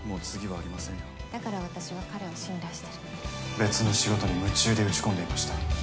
別の仕事に夢中で打ち込んでいました。